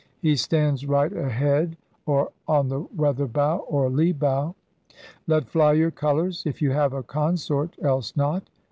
'Hee stands right a head' {or On the weather bow, or lee bow). *Let fly your colours!' (if you have a consort — else not).